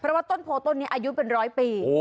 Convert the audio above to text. เพราะว่าต้นโพต้นนี้อายุเป็นร้อยปี